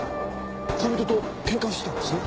恋人と喧嘩をしてたんですね？